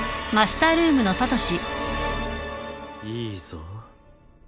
いいぞ。